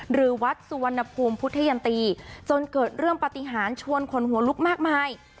หรือวัดสุวรรณภูมิพุทธยันตีจนเกิดเรื่องปฏิหารชวนคนหัวลุกมากมาย